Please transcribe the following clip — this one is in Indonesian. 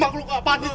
makhluk apaan itu